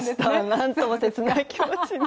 なんとも切ない気持ちに。